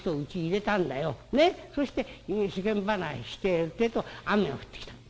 そして世間話してるってえと雨が降ってきたの。